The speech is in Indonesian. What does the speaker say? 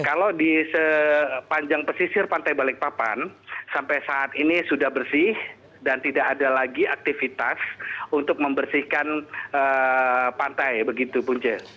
kalau di sepanjang pesisir pantai balikpapan sampai saat ini sudah bersih dan tidak ada lagi aktivitas untuk membersihkan pantai begitu punce